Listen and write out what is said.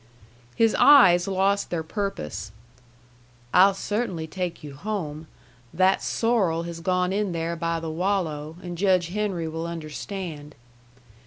His eyes lost their purpose. "I'll cert'nly take you home. That sorrel has gone in there by the wallow, and Judge Henry will understand."